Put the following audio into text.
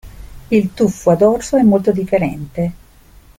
Il tuffo a dorso è molto differente.